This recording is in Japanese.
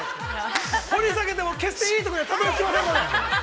掘り下げても決していいところにはたどり着きませんので。